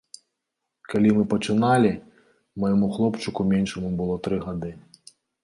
Калі мы пачыналі, майму хлопчыку меншаму было тры гады.